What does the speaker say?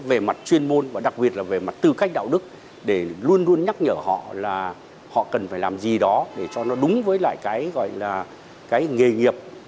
về mặt chuyên môn và đặc biệt là về mặt tư cách đạo đức để luôn luôn nhắc nhở họ là họ cần phải làm gì đó để cho nó đúng với lại cái gọi là cái nghề nghiệp